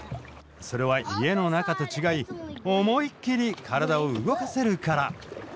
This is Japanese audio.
それは家の中と違い思いっきり体を動かせるから。